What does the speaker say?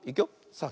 さあ